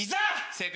正解。